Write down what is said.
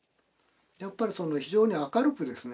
やっぱり非常に明るくですね